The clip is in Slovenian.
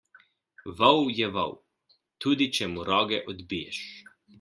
Vol je vol, tudi če mu roge odbiješ.